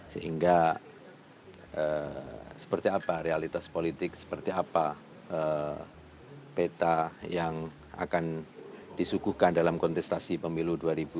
sehingga seperti apa realitas politik seperti apa peta yang akan disuguhkan dalam kontestasi pemilu dua ribu dua puluh